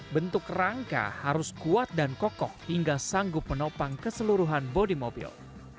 bentuk rangka harus kuat dan kokoh hingga sanggup menopang keseluruhan bodi mobil